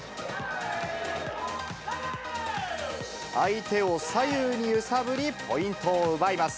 相手を左右に揺さぶり、ポイントを奪います。